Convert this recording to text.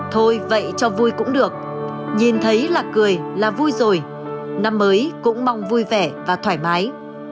thôi vậy cho vui cũng được nhìn thấy là cười là vui rồi năm mới cũng mong vui vẻ và thoải mái